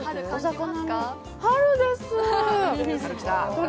春です。